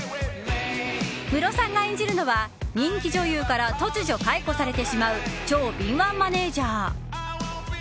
ムロさんが演じるのは人気女優から突如、解雇されてしまう超敏腕マネジャー。